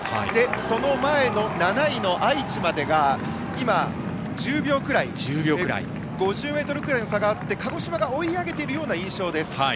その前の７位、愛知までが１０秒くらい５０ｍくらいの差があって鹿児島が追い上げているような印象です。